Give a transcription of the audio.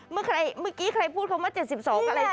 เมื่อกี้ใครพูดเขาว่า๗๒ก็เลย